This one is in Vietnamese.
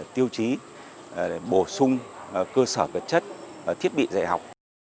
tiêu chí bổ sung cơ sở vật chất thiết bị dạy học